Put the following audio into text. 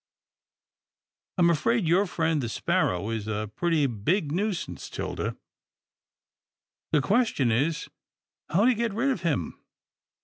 I'm afraid your friend the sparrow is a pretty big nuisance, 'Tilda. The question is how to get rid of him.